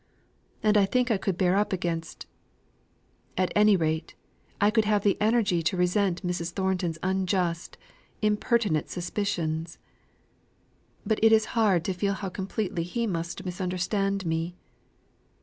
And I think I could bear up against at any rate, I could have the energy to resent, Mrs. Thornton's unjust, impertinent suspicions. But it is hard to feel how completely he must misunderstand me.